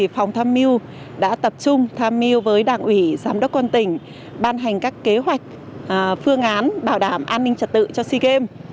phòng tham miu đã tập trung tham miu với đảng ủy giám đốc công an tỉnh ban hành các kế hoạch phương án bảo đảm an ninh trật tự cho sigem